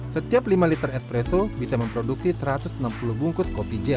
setiap lima liter espresso bisa memproduksi satu ratus enam puluh bungkus kopi jazz